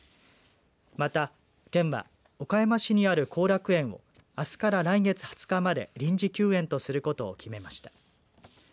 また、県は岡山市にある後楽園をあすから来月２０日まで臨時休園とすることを決めました。